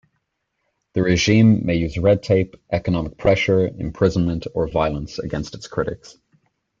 The regime may use red tape, economic pressure, imprisonment or violence against its critics.